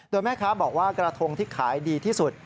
โดยแม่ค้าบอกว่ากระทงที่ขายดีที่สุด